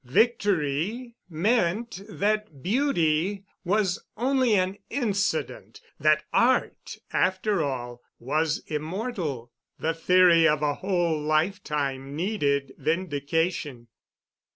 Victory meant that Beauty was only an incident—that Art, after all, was immortal. The theory of a whole lifetime needed vindication.